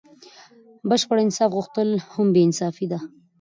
بشپړ انصاف غوښتل هم بې انصافي دئ.